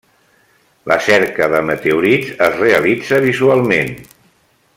La cerca de meteorits es realitza visualment.